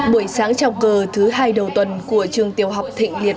buổi sáng trào cờ thứ hai đầu tuần của trường tiểu học thịnh liệt